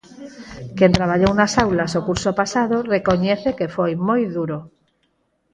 Quen traballou nas aulas o curso pasado recoñece que foi moi duro.